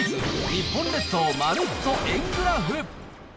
日本列島まるっと円グラフ。